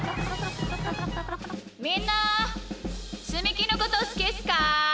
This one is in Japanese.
みんなつみきのことすきっすか？